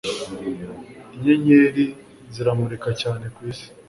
inyenyeri ziramurika cyane ku isi